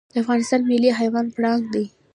د افغانستان ملي حیوان پړانګ دی